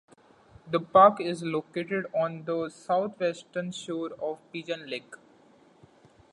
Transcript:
The park is located on the south-western shore of Pigeon Lake.